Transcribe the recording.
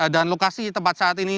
dan lokasi tempat saat ini